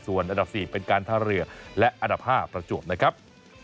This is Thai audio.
ส่วนอันดับ๔เป็นการท่าเรือและอันดับ๕ประจวบนะครับ